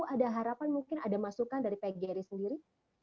ada harapan mungkin ada masukan dari pak jerry sendiri